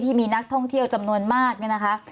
ที่มีนักท่องเที่ยวจำนวนมากเนี่ยนะคะ